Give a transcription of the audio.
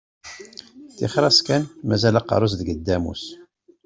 Ṭixer-as kan, mazal aqerru-s deg ddamus.